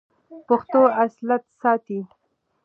پښتو اصالت ساتي.